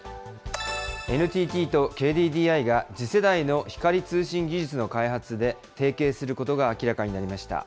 ＮＴＴとＫＤＤＩが次世代の光通信技術の開発で提携することが明らかになりました。